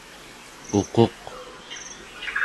uquq